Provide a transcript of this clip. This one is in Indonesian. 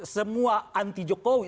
semua anti jokowi